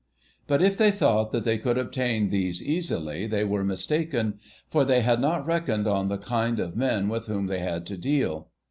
But if they thought that they could obtain these easily they were mistaken, for they had not reckoned on the kind of men with whom they had to deal.